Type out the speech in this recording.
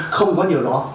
không có điều đó